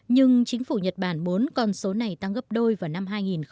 nhưng chính phủ nhật bản muốn con số này tăng gấp đôi vào năm hai nghìn một mươi